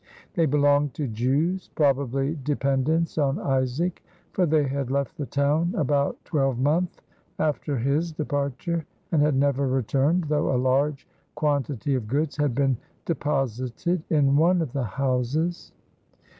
They belonged to Jews, probably dependents on Isaac, for they had left the town about a twelvemonth after his departure and had never returned, though a large quantity of goods had been deposited in one of the houses.